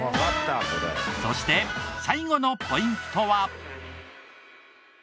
そして最後のポイントは。